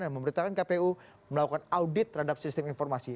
dan pemerintahkan kpu melakukan audit terhadap sistem informasi